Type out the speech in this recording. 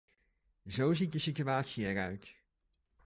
Zo ziet de situatie eruit.